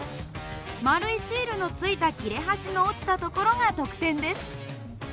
丸いシールのついた切れ端の落ちたところが得点です。